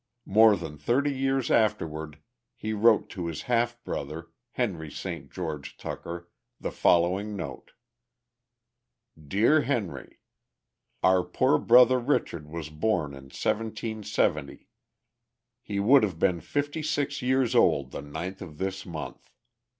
More than thirty years afterward he wrote to his half brother, Henry St. George Tucker, the following note: "DEAR HENRY "Our poor brother Richard was born in 1770. He would have been fifty six years old the ninth of this month.